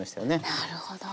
なるほど。